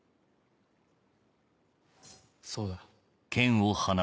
そうだ。